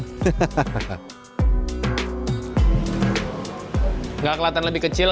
tidak kelihatan lebih kecil